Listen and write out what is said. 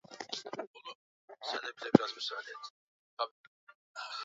kupoza halijoto Kinyume chake upepo kutoka Bahari